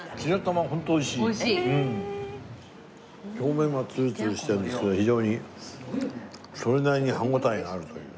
表面はツルツルしてるんですけど非常にそれなりに歯応えがあるという。